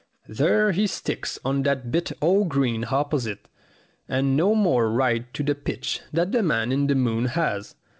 There he sticks on that bit o' green opposite, and no more right to the pitch than the man in the moon has.